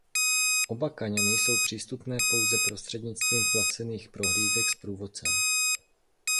Oba kaňony jsou přístupné pouze prostřednictvím placených prohlídek s průvodcem.